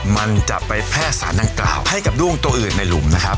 มันจะไปแพร่สารดังกล่าวให้กับด้วงตัวอื่นในหลุมนะครับ